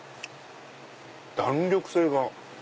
⁉弾力性が。